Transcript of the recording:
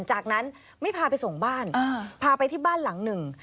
จากนั้นไม่พาไปส่งบ้านพาไปที่บ้านหลังหนึ่ง